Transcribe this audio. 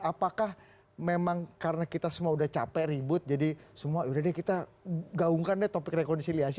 apakah memang karena kita semua udah capek ribut jadi semua udah deh kita gaungkan deh topik rekonsiliasi